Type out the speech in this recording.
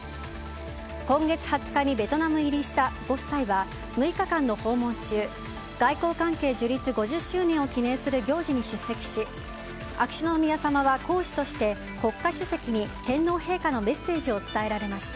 今月２０日にベトナム入りしたご夫妻は６日間の訪問中外交関係樹立５０周年を記念する行事に出席し秋篠宮さまは皇嗣として国家主席に天皇陛下のメッセージを伝えられました。